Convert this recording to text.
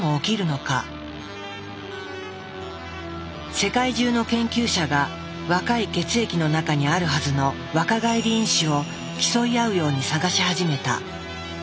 世界中の研究者が若い血液の中にあるはずの「若返り因子」を競い合うように探し始めた。